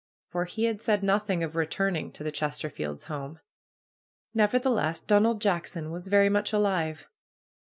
For he had said nothing of returning to the Chesterfields' home. Nevertheless, Donald Jackson was very much alive.